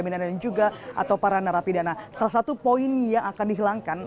binaan juga atau para narapidana salah satu poin yang akan dihilangkan